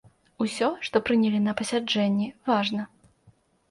Усё, што прынялі на пасяджэнні, важна.